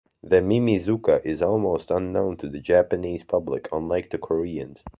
The Mimizuka is almost unknown to the Japanese public unlike to the Koreans.